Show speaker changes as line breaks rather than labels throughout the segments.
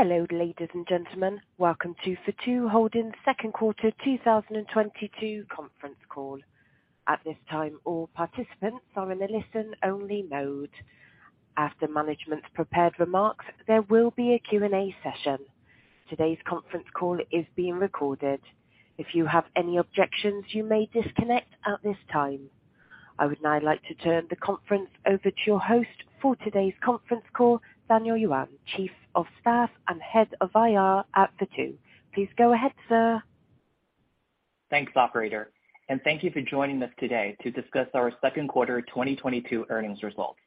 Hello, ladies and gentlemen. Welcome to Futu Holdings' second quarter 2022 conference call. At this time, all participants are in a listen-only mode. After management's prepared remarks, there will be a Q&A session. Today's conference call is being recorded. If you have any objections, you may disconnect at this time. I would now like to turn the conference over to your host for today's conference call, Daniel Yuan, Chief of Staff and Head of IR at Futu. Please go ahead, sir.
Thanks, operator, and thank you for joining us today to discuss our second quarter 2022 earnings results.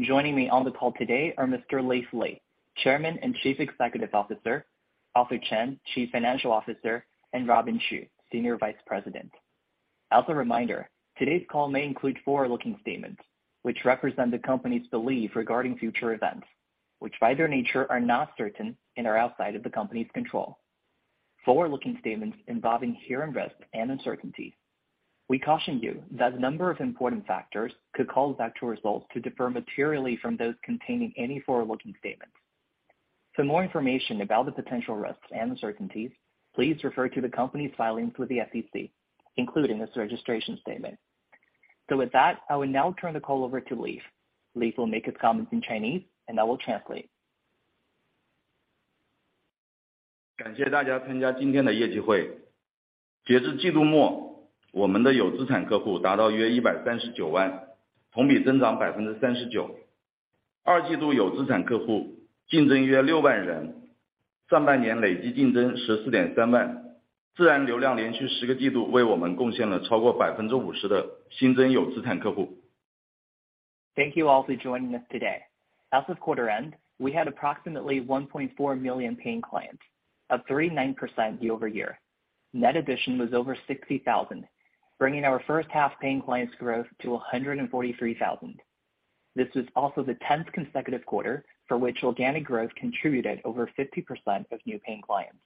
Joining me on the call today are Mr. Leaf Li, Chairman and Chief Executive Officer, Arthur Chen, Chief Financial Officer, and Robin Xu, Senior Vice President. As a reminder, today's call may include forward-looking statements which represent the company's belief regarding future events which, by their nature, are not certain and are outside of the company's control. Forward-looking statements involving risk and uncertainty. We caution you that a number of important factors could cause actual results to differ materially from those containing any forward-looking statements. For more information about the potential risks and uncertainties, please refer to the company's filings with the SEC, including its registration statement. With that, I will now turn the call over to Leaf. Leaf will make his comments in Chinese, and I will translate. Thank you all for joining us today. As of quarter end, we had approximately 1.4 million paying clients, up 39% year-over-year. Net addition was over 60,000, bringing our first half paying clients growth to 143,000. This was also the 10th consecutive quarter for which organic growth contributed over 50% of new paying clients.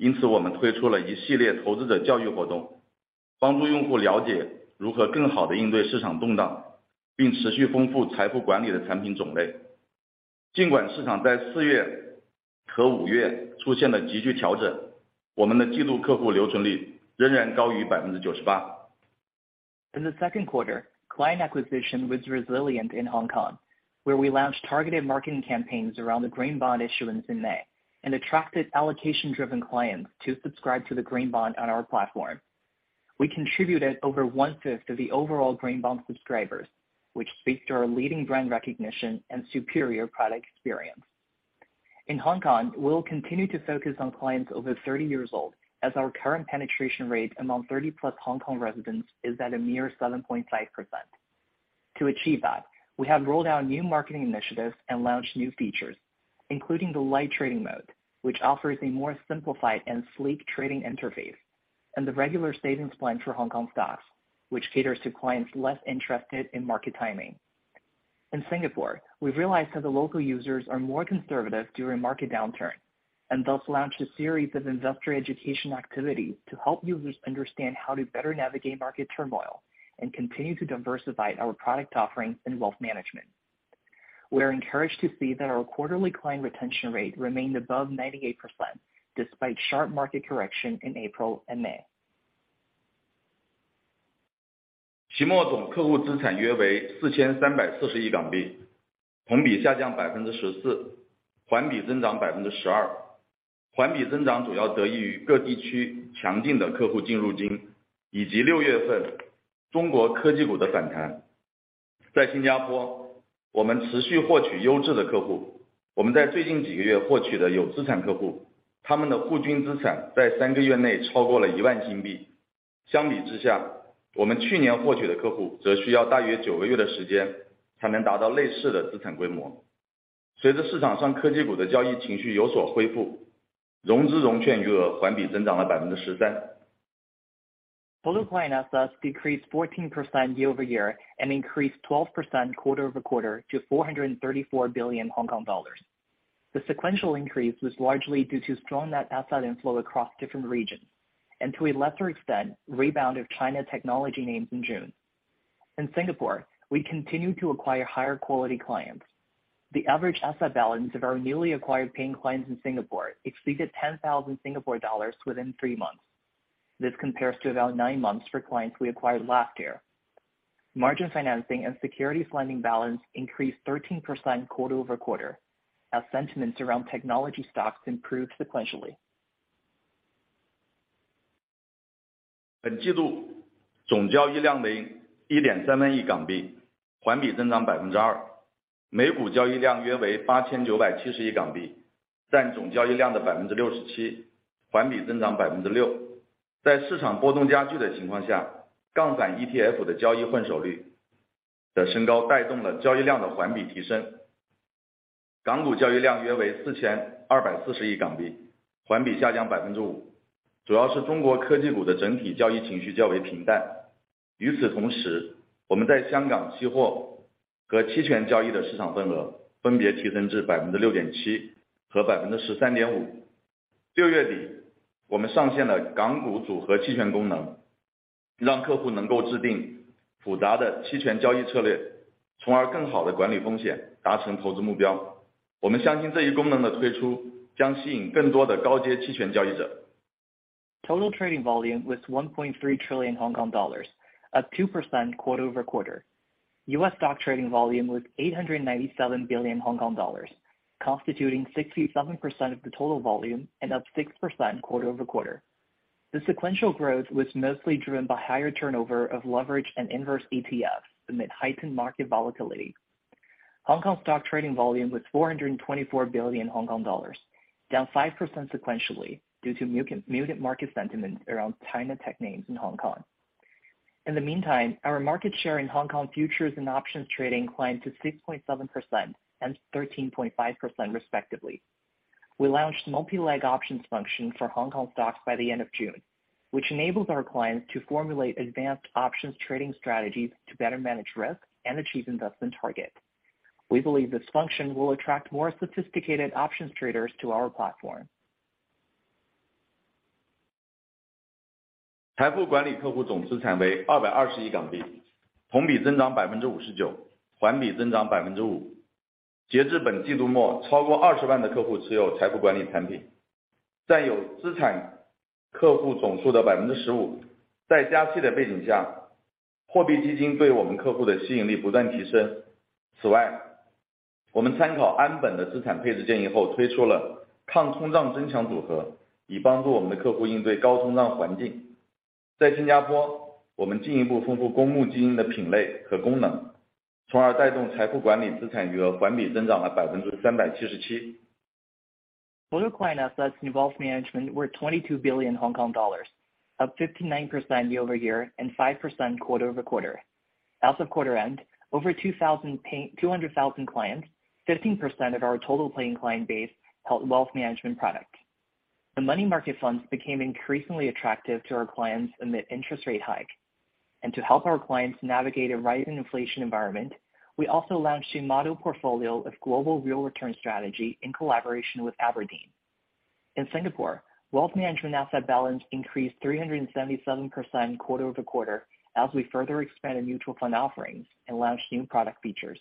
In the second quarter, client acquisition was resilient in Hong Kong, where we launched targeted marketing campaigns around the green bond issuance in May and attracted allocation-driven clients to subscribe to the green bond on our platform. We contributed over 1/5 of the overall green bond subscribers, which speaks to our leading brand recognition and superior product experience. In Hong Kong, we will continue to focus on clients over 30 years old, as our current penetration rate among 30+ Hong Kong residents is at a mere 7.5%. To achieve that, we have rolled out new marketing initiatives and launched new features, including the light trading mode, which offers a more simplified and sleek trading interface, and the regular savings plan for Hong Kong stocks, which caters to clients less interested in market timing. In Singapore, we've realized that the local users are more conservative during market downturn, and thus launched a series of investor education activities to help users understand how to better navigate market turmoil and continue to diversify our product offerings in wealth management. We are encouraged to see that our quarterly client retention rate remained above 98% despite sharp market correction in April and May. Total client assets decreased 14% year-over-year and increased 12% quarter-over-quarter to 434 billion Hong Kong dollars. The sequential increase was largely due to strong net asset inflow across different regions and, to a lesser extent, rebound of China technology names in June. In Singapore, we continue to acquire higher quality clients. The average asset balance of our newly acquired paying clients in Singapore exceeded 10,000 Singapore dollars within three months. This compares to about 9 months for clients we acquired last year. Margin financing and securities lending balance increased 13% quarter-over-quarter, as sentiments around technology stocks improved sequentially. Total trading volume was 1.3 trillion Hong Kong dollars, up 2% quarter-over-quarter. U.S. stock trading volume was 897 billion Hong Kong dollars, constituting 67% of the total volume and up 6% quarter-over-quarter. The sequential growth was mostly driven by higher turnover of Leveraged and Inverse ETFs amid heightened market volatility. Hong Kong stock trading volume was 424 billion Hong Kong dollars, down 5% sequentially due to muted market sentiment around China tech names in Hong Kong. In the meantime, our market share in Hong Kong futures and options trading climbed to 6.7% and 13.5% respectively. We launched multi-leg options function for Hong Kong stocks by the end of June, which enables our clients to formulate advanced options trading strategies to better manage risk and achieve investment targets. We believe this function will attract more sophisticated options traders to our platform. Total client assets in wealth management were 22 billion Hong Kong dollars, up 59% year-over-year and 5% quarter-over-quarter. As of quarter end, over 200,000 clients, 15% of our total paying client base, held wealth management product. The money market funds became increasingly attractive to our clients amid interest rate hike. To help our clients navigate a rising inflation environment, we also launched a model portfolio of global real return strategy in collaboration with Aberdeen. In Singapore, wealth management asset balance increased 377% quarter-over-quarter as we further expanded mutual fund offerings and launched new product features.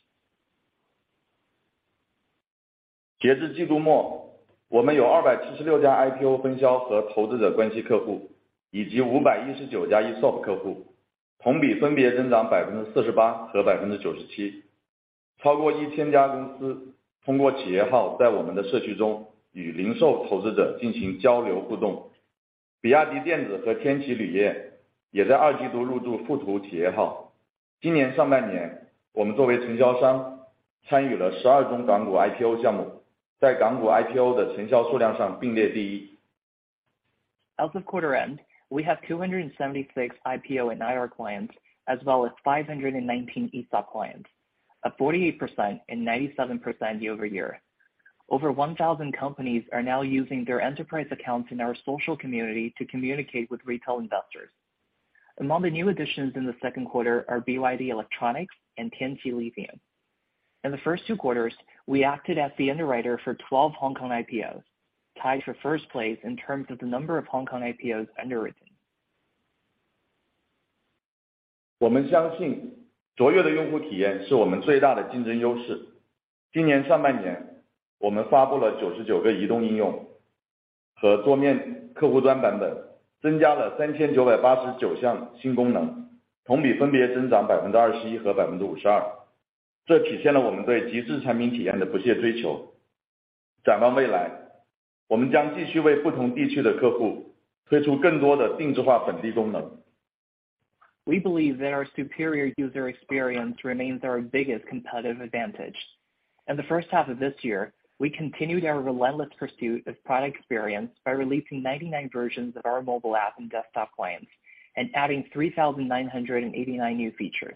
截至季度末，我们有276家IPO分销和投资者关系客户，以及519家ESOP客户，同比分别增长48%和97%。超过一千家公司通过企业号在我们的社区中与零售投资者进行交流互动。比亚迪电子和天齐锂业也在二季度入驻富途企业号。今年上半年，我们作为承销商参与了十二中港股IPO项目，在港股IPO的承销数量上并列第一。
As of quarter end, we have 276 IPO and IR clients as well as 519 ESOP clients, up 48% and 97% year-over-year. Over 1,000 companies are now using their enterprise accounts in our social community to communicate with retail investors. Among the new additions in the second quarter are BYD Electronics and Tianqi Lithium. In the first two quarters, we acted as the underwriter for 12 Hong Kong IPOs, tied for first place in terms of the number of Hong Kong IPOs underwritten.
我们相信卓越的用户体验是我们最大的竞争优势。今年上半年，我们发布了99个移动应用和桌面客户端版本，增加了3,989项新功能，同比分别增长21%和52%。这体现了我们对极致产品体验的不懈追求。展望未来，我们将继续为不同地区的客户推出更多的定制化本地功能。
We believe that our superior user experience remains our biggest competitive advantage. In the first half of this year, we continued our relentless pursuit of product experience by releasing 99 versions of our mobile app and desktop clients and adding 3,989 new features,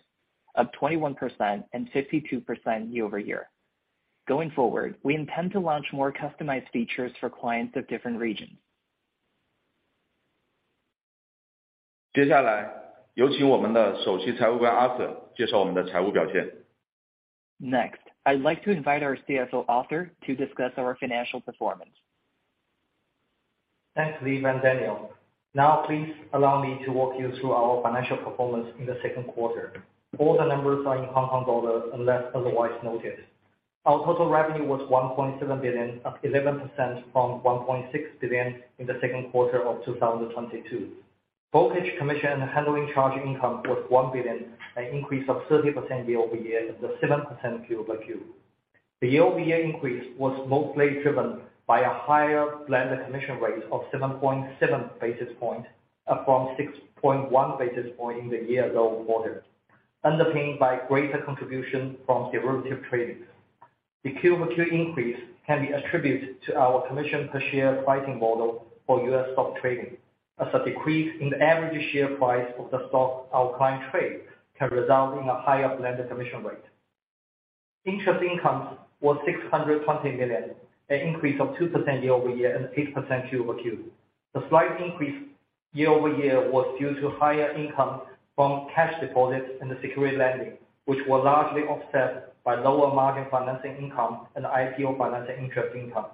up 21% and 52% year-over-year. Going forward, we intend to launch more customized features for clients of different regions.
接下来有请我们的首席财务官 Arthur 介绍我们的财务表现。
Next, I'd like to invite our CFO, Arthur, to discuss our financial performance.
Thanks, Leaf and Daniel. Now please allow me to walk you through our financial performance in the second quarter. All the numbers are in Hong Kong dollars unless otherwise noted. Our total revenue was 1.7 billion, up 11% from 1.6 billion in the second quarter of 2022. Brokerage commission handling charge income was 1 billion, an increase of 30% year-over-year and 7% quarter-over-quarter. The year-over-year increase was mostly driven by a higher blended commission rate of 7.7 basis points, up from 6.1 basis points in the year-ago quarter, underpinned by greater contribution from derivatives trading. The quarter-over-quarter increase can be attributed to our commission per share pricing model for US stock trading, as a decrease in the average share price of the stock our client trade can result in a higher blended commission rate. Interest income was 620 million, an increase of 2% year-over-year and 6% quarter-over-quarter. The slight increase year-over-year was due to higher income from cash deposits in the security lending, which was largely offset by lower margin financing income and IPO financing interest income.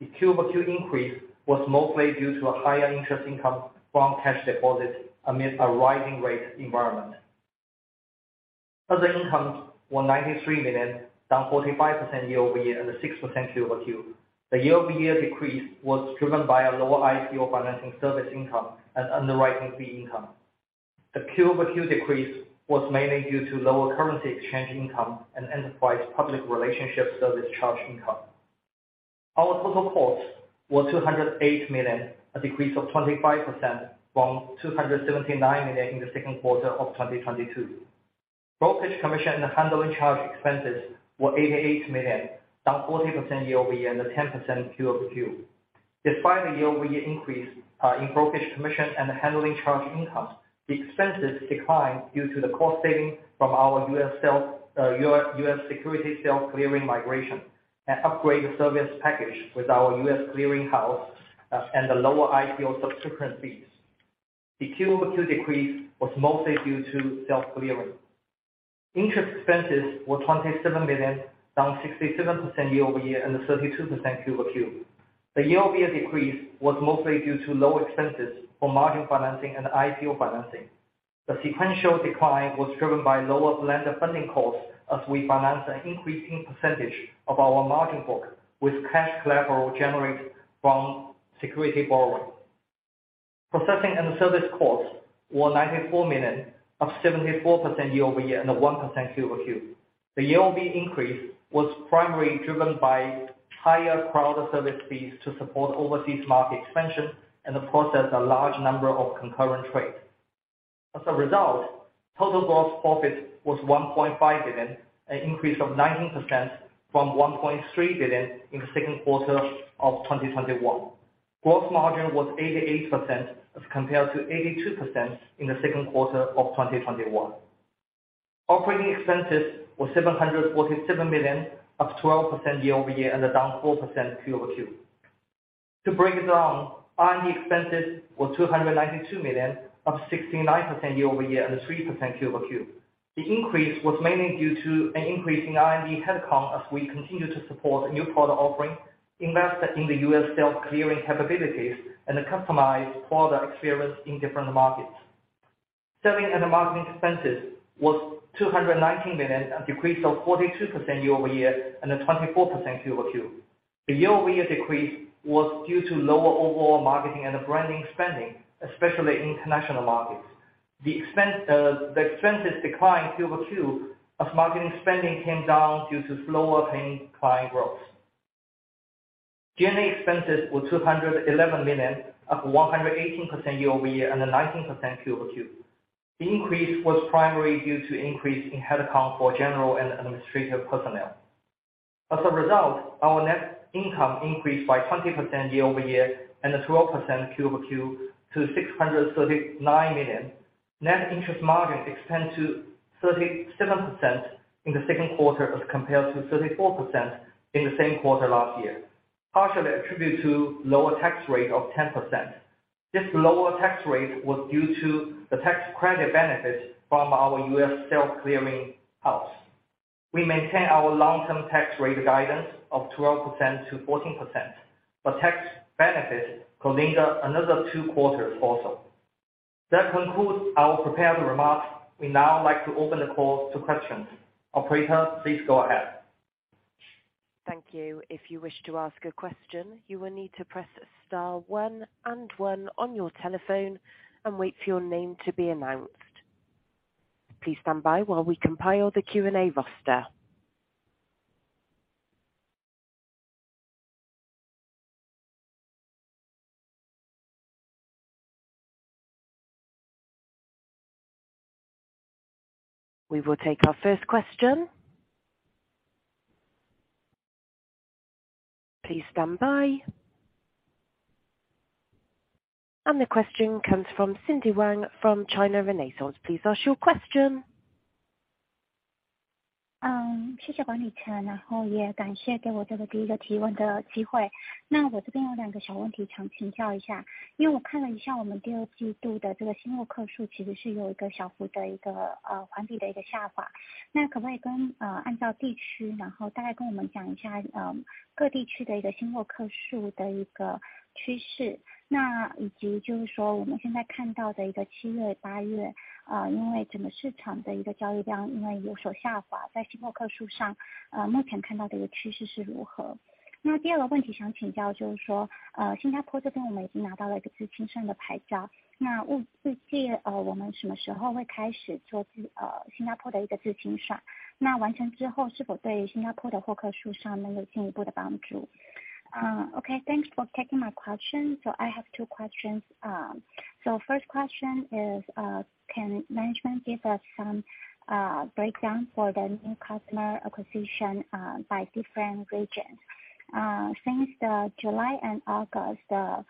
The quarter-over-quarter increase was mostly due to a higher interest income from cash deposits amid a rising rate environment. Other income was 193 million, down 45% year-over-year and 6% quarter-over-quarter. The year-over-year decrease was driven by a lower IPO financing service income and underwriting fee income. The quarter-over-quarter decrease was mainly due to lower currency exchange income and enterprise public relations service charge income. Our total cost was 208 million, a decrease of 25% from 279 million in the second quarter of 2022. Brokerage commission and handling charge expenses were 88 million, down 40% year-over-year and 10% quarter-over-quarter. Despite the year-over-year increase in brokerage commission and handling charge income, the expenses declined due to the cost savings from our US security self-clearing migration and upgrade service package with our US clearing house, and the lower IPO subsequent fees. The quarter-over-quarter decrease was mostly due to self-clearing. Interest expenses were 27 million, down 67% year-over-year and 32% quarter-over-quarter. The year-over-year decrease was mostly due to low expenses for margin financing and IPO financing. The sequential decline was driven by lower lender funding costs as we finance an increasing percentage of our margin book with cash collateral generated from security borrowing. Processing and service costs were 94 million, up 74% year-over-year and 1% quarter-over-quarter. The year-over-year increase was primarily driven by higher cloud service fees to support overseas market expansion and of course, there's a large number of concurrent trades. As a result, total gross profit was 1.5 billion, an increase of 19% from 1.3 billion in the second quarter of 2021. Gross margin was 88% as compared to 82% in the second quarter of 2021. Operating expenses were 747 million, up 12% year-over-year and down 4% quarter-over-quarter. To break it down, R&D expenses were HKD 292 million, up 69% year-over-year and 3% quarter-over-quarter. The increase was mainly due to an increase in R&D headcount as we continue to support new product offerings, invest in the U.S. self-clearing capabilities and customize product experience in different markets. Selling and marketing expenses was 219 million, a decrease of 42% year-over-year, and a 24% quarter-over-quarter. The year-over-year decrease was due to lower overall marketing and branding spending, especially in international markets. The expenses declined quarter-over-quarter as marketing spending came down due to slower paying client growth. G&A expenses were 211 million, up 118% year-over-year, and 19% quarter-over-quarter. The increase was primarily due to increase in headcount for general and administrative personnel. As a result, our net income increased by 20% year-over-year and 12% quarter-over-quarter to 639 million. Net interest margin expanded to 37% in the second quarter, as compared to 34% in the same quarter last year, partially attributed to lower tax rate of 10%. This lower tax rate was due to the tax credit benefit from our U.S. self-clearing house. We maintain our long-term tax rate guidance of 12%-14%. The tax benefit could linger another two quarters also. That concludes our prepared remarks. We'd now like to open the call to questions. Operator, please go ahead.
Thank you. If you wish to ask a question, you will need to press star one and one on your telephone and wait for your name to be announced. Please stand by while we compile the Q&A roster. We will take our first question. Please stand by. The question comes from Cindy Wang from China Renaissance. Please ask your question.
谢谢你。然后也感谢给我这个第一个提问的机会。那我这边有两个小问题想请教一下。因为我看了一下我们第二季度的新客户数，其实是有一个小幅的环比下滑。那可不可以按照地区，大概跟我们讲一下各地区的新客户数的趋势，以及就是说我们现在看到的七月、八月，因为整个市场的交易量有所下滑，在新客户数上，目前看到的趋势是如何。那第二个问题想请教，就是说新加坡这边我们已经拿到了一个自清算的牌照，我们什么时候会开始做新加坡的自清算？那完成之后是否对新加坡的客户数上面有进一步的帮助。Thanks for taking my question. I have two questions. First question is, can management give us some breakdown for the new customer acquisition by different regions?
Since July and August the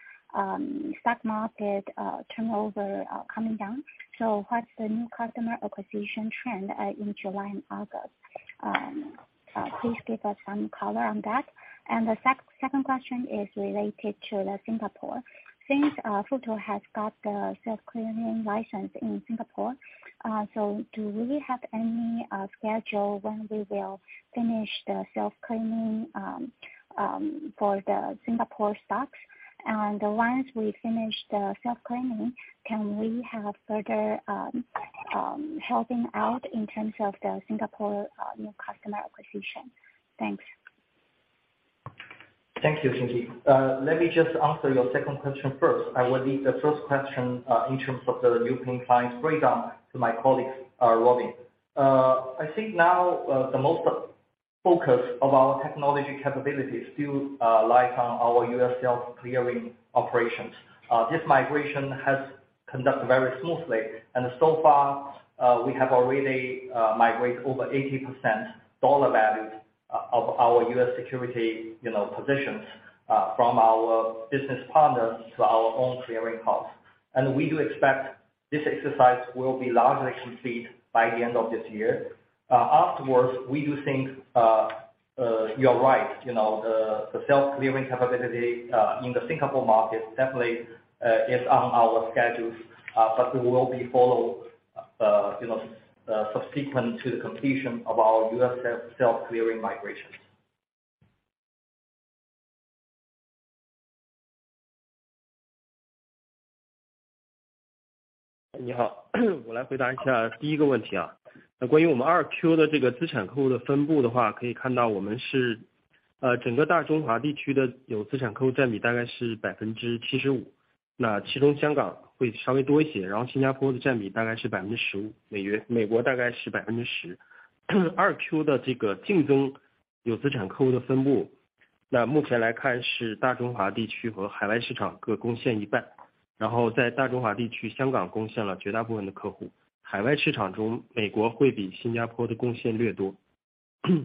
stock market turnover are coming down, so what's the new customer acquisition trend in July and August? Please give us some color on that. The second question is related to Singapore, since Futu has got the self-clearing license in Singapore, so do we have any schedule when we will finish the self-clearing for the Singapore stocks? Once we finish the self-clearing, can we have further helping out in terms of the Singapore new customer acquisition? Thanks.
Thank you, Cindy Wang. Let me just answer your second question first. I will leave the first question in terms of the new client breakdown to my colleagues Robin Xu. I think now the most focus of our technology capabilities still lie on our US sales clearing operations. This migration has conducted very smoothly, and so far, we have already migrate over 80% dollar value of our US security, you know, positions from our business partners to our own clearing house. We do expect this exercise will be largely complete by the end of this year. Afterwards, we do think you're right, you know, the self clearing capability in the Singapore market definitely is on our schedules, but we will be follow subsequent to the completion of our US self clearing migration.
你好，我来回答一下第一个问题啊。那关于我们2Q的这个资产客户的分布的话，可以看到我们是，整个大中华地区的有资产客户占比大概是75%，那其中香港会稍微多一些，然后新加坡的占比大概是15%，美国大概是10%。2Q的这个净增有资产客户的分布，那目前来看是大中华地区和海外市场各贡献一半，然后在大中华地区，香港贡献了绝大部分的客户。海外市场中，美国会比新加坡的贡献略多。
Okay,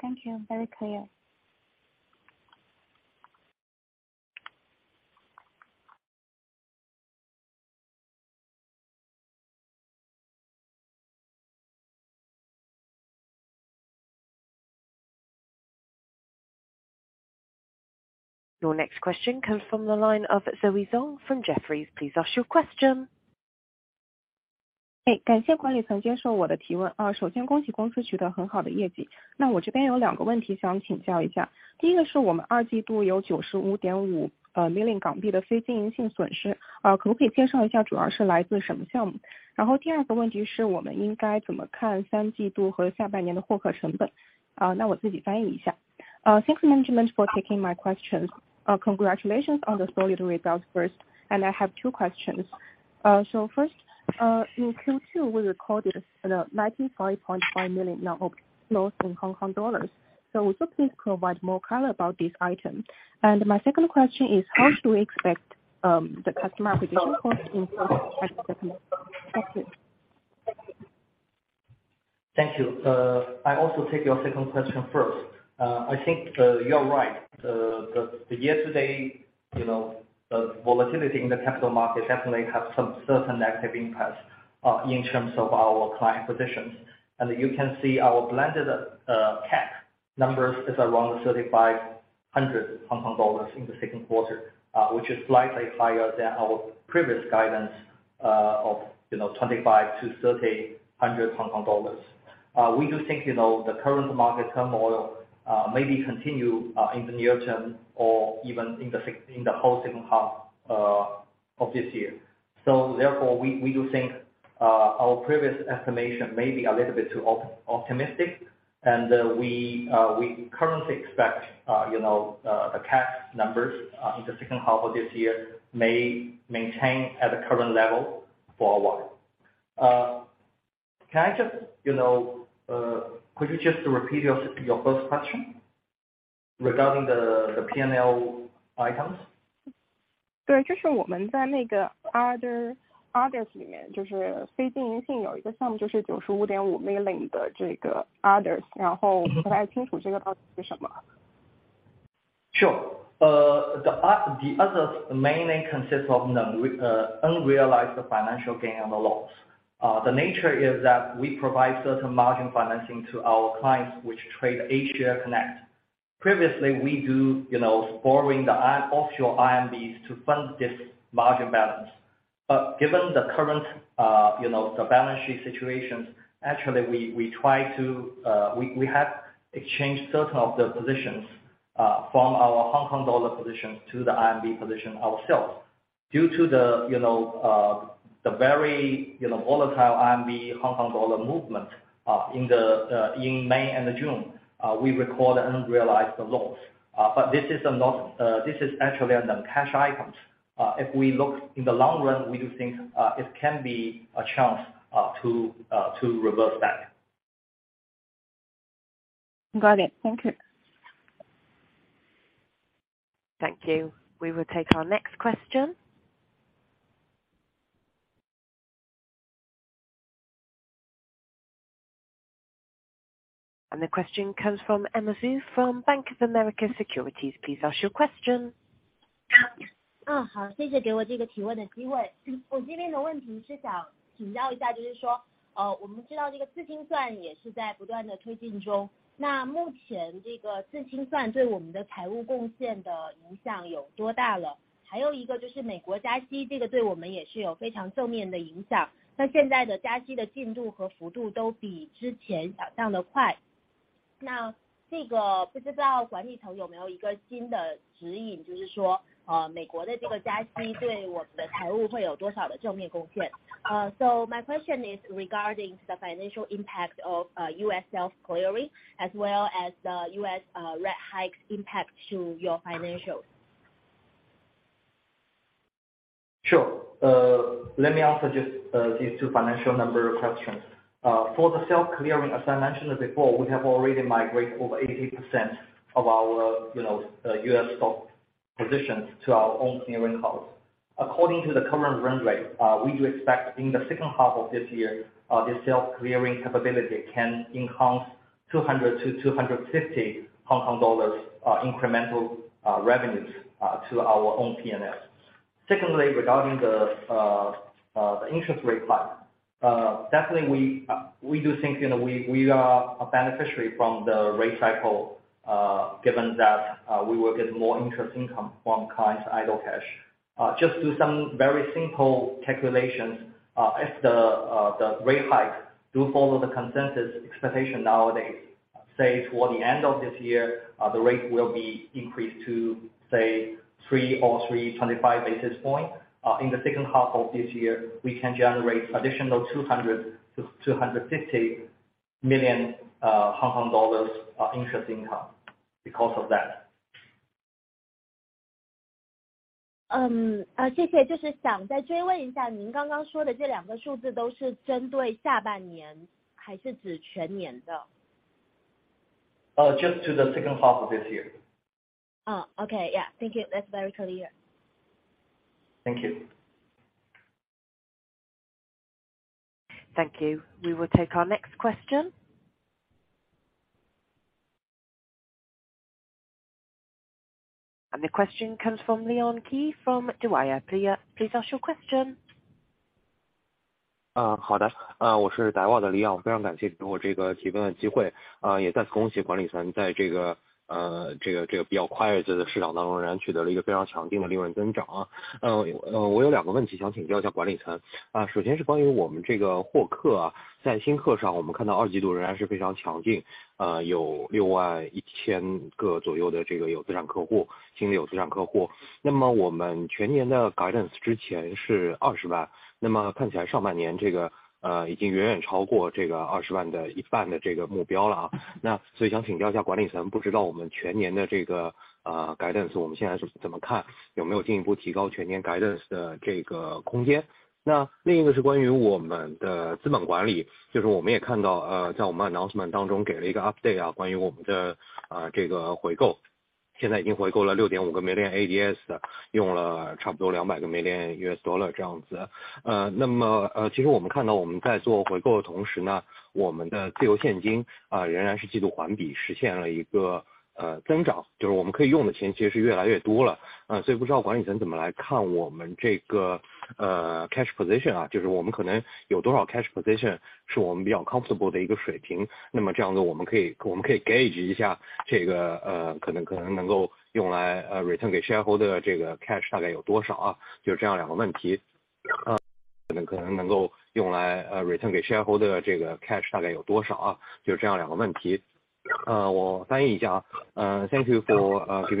thank you, very clear.
Your next question comes from the line of Zoey Zong from Jefferies. Please ask your question.
哎，感谢管理层接受我的提问啊。首先恭喜公司取得很好的业绩。那我这边有两个问题想请教一下，第一个是我们二季度有95.5 million港币的非经营性损失，可不可以介绍一下主要是来自什么项目？然后第二个问题是我们应该怎么看三季度和下半年的获客成本。那我自己翻译一下。Thanks management for taking my question. Congratulations on the solid results first. And I have two questions. So first, in Q2, we recorded 95.5 million of loss. So could you please provide more color about this item?
My second question is how do we expect the customer acquisition cost in second half? Thank you.
Thank you. I also take your second question first. I think, you're right. Yesterday, you know, the volatility in the capital market definitely have some certain negative impacts in terms of our client positions. You can see our blended CAC numbers is around 3,500 Hong Kong dollars in the second quarter, which is slightly higher than our previous guidance of 2,500-3,000 Hong Kong dollars. We do think the current market turmoil maybe continue in the near term or even in the whole second half of this year. Therefore, we do think our previous estimation may be a little bit too optimistic. We currently expect the CAC numbers in the second half of this year may maintain at the current level for a while. Can I just could you just repeat your first question regarding the PNL items?
就是我们在那个others, others里面，就是非经营性有一个项目就是95.5 million的这个others，然后不太清楚这个到底是什么。
Sure. The others mainly consists of the unrealized financial gain and the loss. The nature is that we provide certain margin financing to our clients which trade A-share connect. Previously we do, you know, borrowing the offshore RMBs to fund this margin balance. Given the current, you know, the balance sheet situation, actually we have exchanged certain of the positions from our Hong Kong dollar position to the RMB position ourselves. Due to the, you know, the very, you know, volatile RMB Hong Kong dollar movement in May and June, we record the unrealized loss. This is not, this is actually on the cash items. If we look in the long run, we do think it can be a chance to reverse that.
Got it. Thank you.
Thank you. We will take our next question. The question comes from Emma Xu from Bank of America Securities. Please ask your question.
My question is regarding the financial impact of US self-clearing, as well as the US rate hike impact to your financials.
Sure. Let me answer just these two financial number questions. For the self-clearing, as I mentioned before, we have already migrated over 80% of our, you know, U.S. stock positions to our own clearing house. According to the current run rate, we do expect in the second half of this year the self-clearing capability can enhance 200-250 Hong Kong dollars incremental revenues to our own PNL. Secondly, regarding the interest rate hike, definitely we do think, you know, we are a beneficiary from the rate cycle, given that we will get more interest income from clients' idle cash. Just do some very simple calculations. If the rate hike do follow the consensus expectation nowadays, say toward the end of this year, the rate will be increased to, say, 3 or 3.25 basis point. In the second half of this year, we can generate additional 200 million-250 million Hong Kong dollars interest income because of that.
Um,
Just to the second half of this year.
Okay. Yeah. Thank you. That's very clear.
Thank you.
Thank you. We will take our next question. The question comes from Leon Qi from Daiwa. Please ask your question.
Uh,
Thank you for giving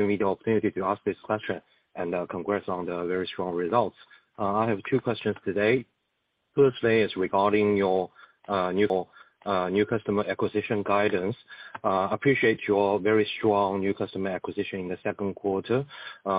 me the opportunity to ask this question, and congrats on the very strong results. I have two questions today. Firstly is regarding your new customer acquisition guidance. Appreciate your very strong new customer acquisition in the second quarter,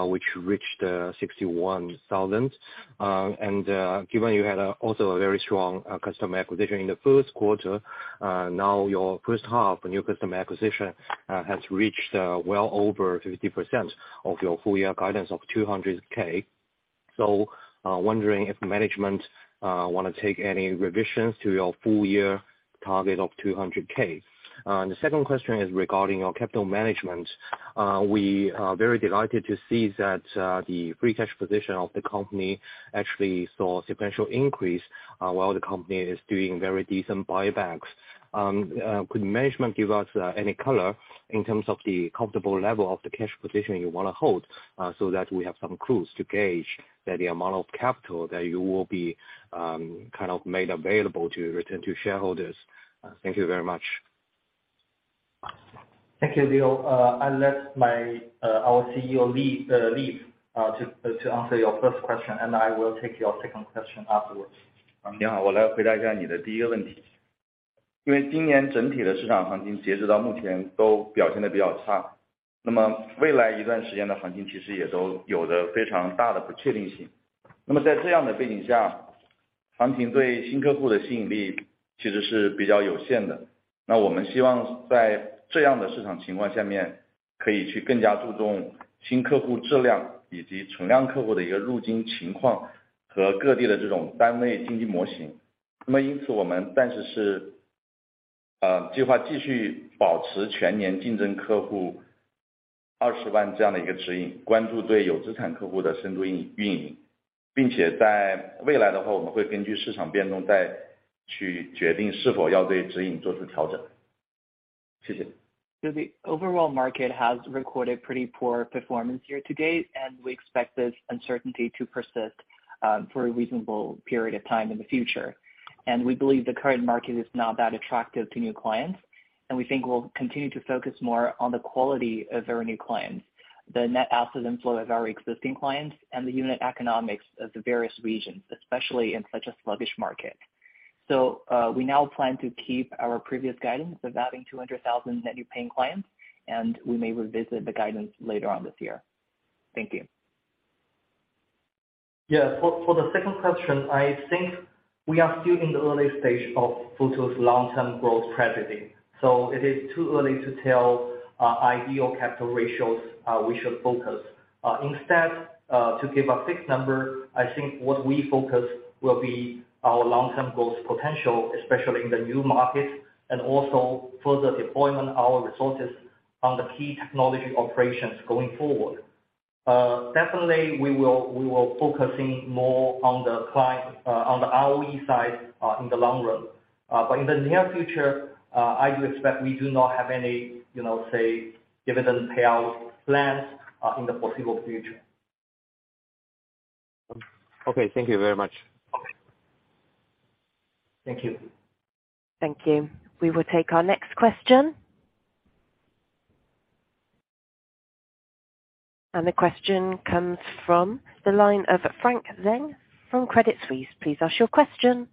which reached 61,000. Given you had also a very strong customer acquisition in the first quarter, now your first half new customer acquisition has reached well over 50% of your full year guidance of 200,000.
Wondering if management wanna take any revisions to your full-year target of 200,000. The second question is regarding your capital management. We are very delighted to see that the free cash position of the company actually saw sequential increase while the company is doing very decent buybacks. Could management give us any color in terms of the comfortable level of the cash position you wanna hold so that we have some clues to gauge that the amount of capital that you will be kind of made available to return to shareholders? Thank you very much.
Thank you, Leo. I'll let our CEO Leaf Li to answer your first question, and I will take your second question afterwards.
The overall market has recorded pretty poor performance year to date, and we expect this uncertainty to persist for a reasonable period of time in the future. We believe the current market is not that attractive to new clients. We think we'll continue to focus more on the quality of our new clients, the net assets inflow of our existing clients and the unit economics of the various regions, especially in such a sluggish market. We now plan to keep our previous guidance of adding 200,000 net new paying clients, and we may revisit the guidance later on this year. Thank you.
Yeah. For the second question, I think we are still in the early stage of Futu's long-term growth trajectory, so it is too early to tell ideal capital ratios. We should focus. Instead, to give a fixed number, I think what we focus will be our long-term growth potential, especially in the new market, and also further deployment our resources on the key technology operations going forward. Definitely, we will focusing more on the client on the ROE side in the long run. In the near future, I do expect we do not have any, you know, say, dividend payout plans in the foreseeable future.
Okay. Thank you very much.
Thank you.
Thank you. We will take our next question. The question comes from the line of Frank Zheng from Credit Suisse. Please ask your question.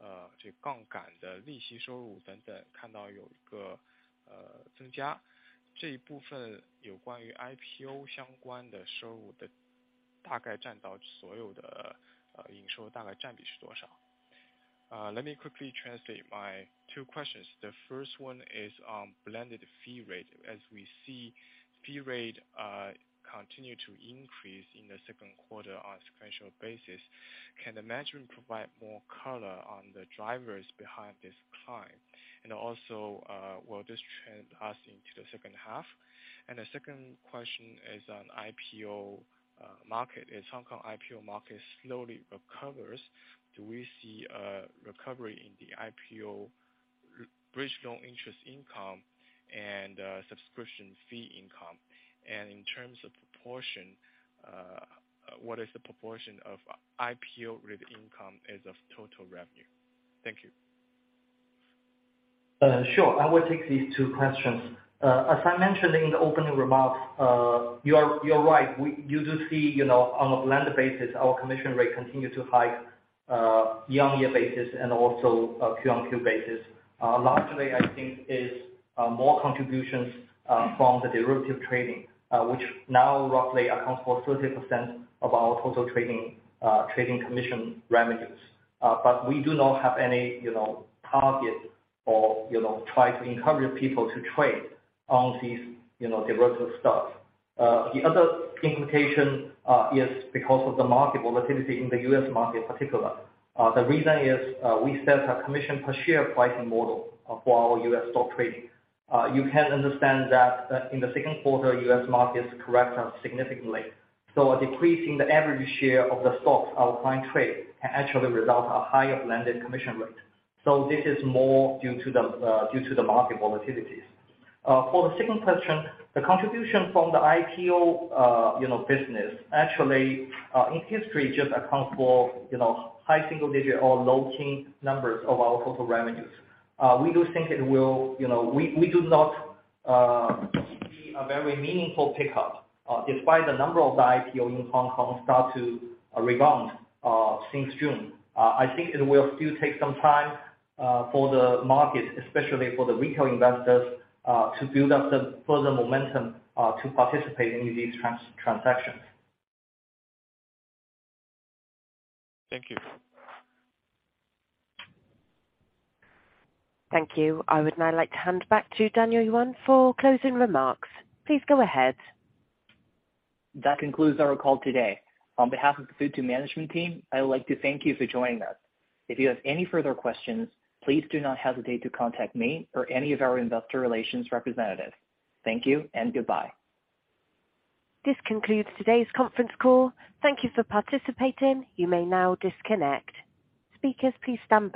Let me quickly translate my two questions. The first one is on blended fee rate. As we see, fee rate continue to increase in the second quarter on a sequential basis. Can the management provide more color on the drivers behind this climb? Also, will this trend last into the second half? The second question is on IPO market. As Hong Kong IPO market slowly recovers, do we see a recovery in the IPO bridge loan interest income and subscription fee income? In terms of proportion, what is the proportion of IPO bridge income as of total revenue? Thank you.
Sure. I will take these two questions. As I mentioned in the opening remarks, you are right. You do see, you know, on a blended basis, our commission rate continue to hike year-on-year basis and also quarter-on-quarter basis. Largely, I think, is more contributions from the derivative trading, which now roughly accounts for 30% of our total trading commission revenues. But we do not have any, you know, target or, you know, try to encourage people to trade on these, you know, derivative stuff. The other implication is because of the market volatility in the US market particularly. The reason is, we set a commission per share pricing model for our US stock trading. You can understand that in the second quarter, U.S. markets correct significantly. Decreasing the average share of the stocks our client trade can actually result a higher blended commission rate. This is more due to the market volatilities. For the second question, the contribution from the IPO business actually in history just account for high single digit or low teen numbers of our total revenues. We do think it will, you know. We do not see a very meaningful pickup despite the number of the IPO in Hong Kong start to rebound since June. I think it will still take some time for the market, especially for the retail investors, to build up the further momentum to participate in these transactions. Thank you.
Thank you. I would now like to hand back to Daniel Yuan for closing remarks. Please go ahead.
That concludes our call today. On behalf of the Futu management team, I would like to thank you for joining us. If you have any further questions, please do not hesitate to contact me or any of our investor relations representative. Thank you and goodbye.
This concludes today's conference call. Thank you for participating. You may now disconnect. Speakers, please stand by.